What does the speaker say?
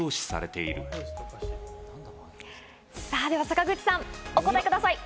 坂口さん、お答えください。